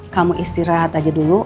kamu istirahat aja dulu